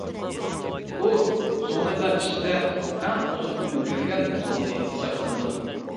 ئۇ، زۇڭلىلار ئىچىدە ئەڭ ئۇزۇن ئۆمۈر كۆرگەن زۇڭلى ھېسابلىنىدۇ.